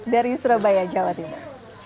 dari surabaya jawa tenggara